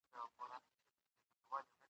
که بنسټیزه څېړنه نه وي علمي څېړنه ستونزمنه ده.